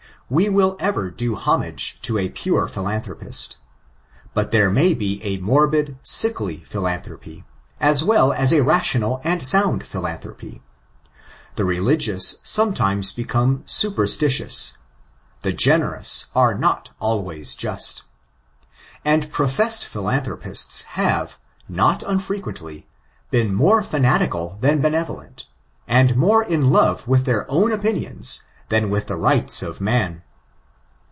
We will ever do homage to a pure philanthropist. But there may be a morbid, sickly philanthropy, as well as a rational, and sound philan thropy. The religious sometimes become superstitious: the generous are not always just. And professed philanthropists have, not unfrequently, been more fanatical than benevolent, and more in love with their own opinions than with the rights of man.